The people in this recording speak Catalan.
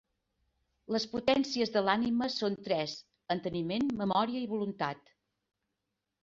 Les potències de l'ànima són tres: enteniment, memòria i voluntat.